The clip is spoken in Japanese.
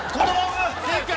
正解。